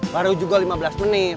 baru juga lima belas menit